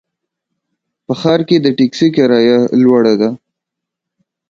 په ښار کې د ټکسي کرایه لوړه ده.